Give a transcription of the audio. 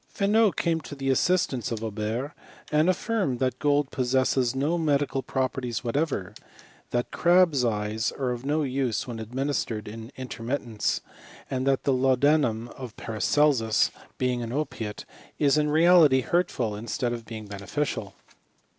Fenot came to the assistance of Aubert, and affirmed that gold possesses no medical properties whatever, that crahs* eyes are of no use when administered in inter mittents, and that the laudanum of Paracelsus (being 172 HISTORY OP CHEMISTRY. an opiate) is in reality hurtful instead of being bene ficial.